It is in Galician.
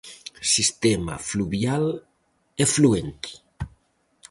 Sistema fluvial efluente.